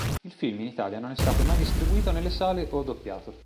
Il film in Italia non è stato mai distribuito nelle sale o doppiato.